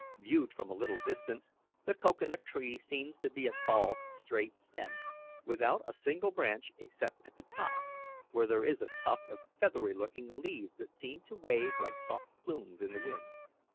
Viewed from a little distance, the cocoa nut tree seems to be a tall, straight stem, without a single branch except at the top, where there is a tuft of feathery looking leaves that seem to wave like soft plumes in the wind.